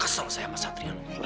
kesel saya sama satria non